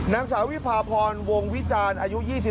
นางสาววิพาพรวงวิจารณ์อายุ๒๕